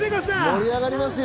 盛り上がりますよ。